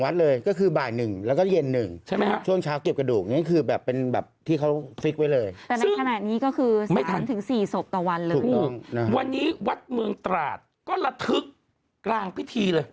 วันนี้วัดเมืองตราดก็ระทึกกลางพิธีเลย